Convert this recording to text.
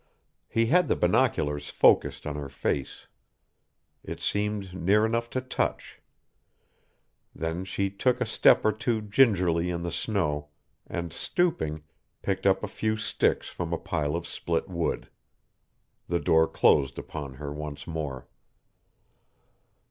He had the binoculars focused on her face. It seemed near enough to touch. Then she took a step or two gingerly in the snow, and stooping, picked up a few sticks from a pile of split wood. The door closed upon her once more.